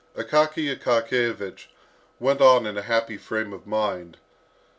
Akaky Akakiyevich went on in a happy frame of mind.